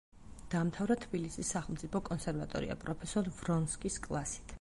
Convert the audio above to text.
დაამთავრა თბილისის სახელმწიფო კონსერვატორია, პროფესორ ვრონსკის კლასით.